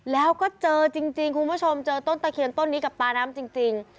แล้วก็เจอจริงคุณผู้ชมเจอต้นตะเคียนต้นนี้กับปลาน้ำจริง